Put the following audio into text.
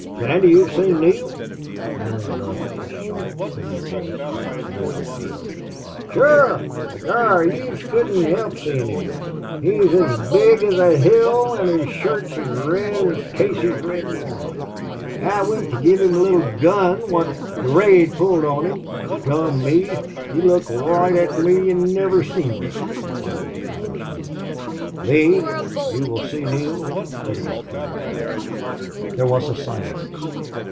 "Sandy you've seen Neale?" Allie loved this sharp, keen voice for its note of dread. "Shure. B'gorra, yez couldn't hilp seein' him. He's as big as a hill an' his shirt's as red as Casey's red wan. I wint to give him the little gun wot Durade pulled on him. Dom' me! he looked roight at me an' niver seen me," replied the Irishman. "Lee, you will see Neale?" queried General Lodge. There was a silence.